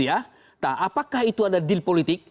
apakah itu adalah deal politik